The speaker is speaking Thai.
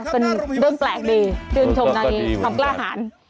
เป็นเรื่องแปลกดีชื่นชมตอนนี้ทำกล้าหาญ